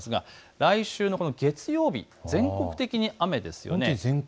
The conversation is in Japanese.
来週の月曜日、全国的に雨ですよね。